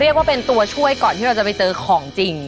เรียกว่าเป็นตัวช่วยก่อนที่เราจะไปเจอของจริง